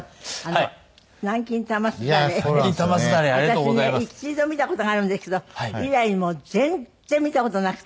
私ね１度見た事があるんですけど以来全然見た事なくて。